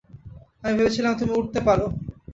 আমি ভেবেছিলাম তুমি উড়তে পারো।